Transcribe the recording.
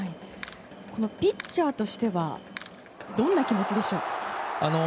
ピッチャーとしてはどんな気持ちでしょう？